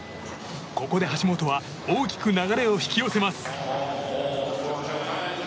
ここで、橋本は大きく流れを引き寄せます。